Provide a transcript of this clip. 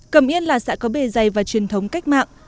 cẩm yên là xã có bề dày và truyền thống cách mạng